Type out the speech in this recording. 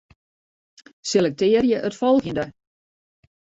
Selektearje it folgjende.